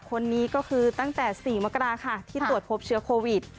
คนนี้ก็คือตั้งแต่๔มกราค่ะที่ตรวจพบเชื้อโควิด